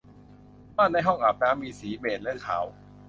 ม่านในห้องอาบน้ำมีสีเบจและขาว